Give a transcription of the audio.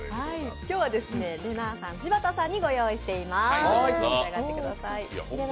今日は、れなぁさん、柴田さんにご用意しています。